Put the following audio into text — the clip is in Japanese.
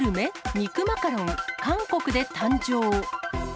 肉マカロン、韓国で誕生。